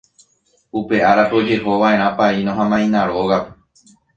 Upe árape ojehova'erã paíno ha maína rógape